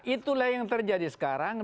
itulah yang terjadi sekarang